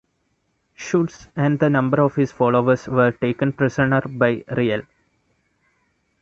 Schultz and a number of his followers were taken prisoner by Riel.